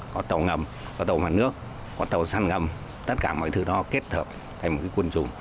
có tàu ngầm có tàu ngầm nước có tàu săn ngầm tất cả mọi thứ đó kết hợp thành một cái quân chủng